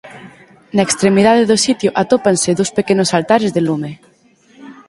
Na extremidade do sitio atópanse dous pequenos altares de lume.